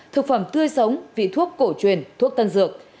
thực phẩm tươi sống vị thuốc cổ truyền thuốc tân dược